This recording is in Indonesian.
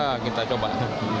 februari akan mulai